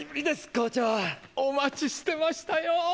お待ちしてましたよ！